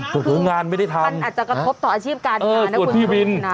ตัวงานไม่ได้ทำเออตัวพี่บินนะคุณผู้นักคือมันอาจจะกระทบต่ออาชีพการณ์